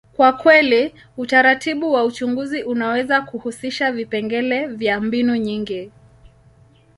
kwa kweli, utaratibu wa uchunguzi unaweza kuhusisha vipengele vya mbinu nyingi.